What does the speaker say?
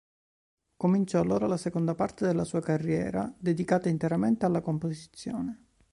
Cominciò allora la seconda parte della sua carriera, dedicata interamente alla composizione.